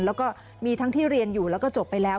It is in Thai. แล้วก็มีทั้งที่เรียนอยู่แล้วก็จบไปแล้ว